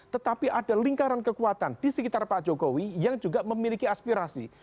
tetapi ada lingkaran kekuatan di sekitar pak jokowi yang juga memiliki aspirasi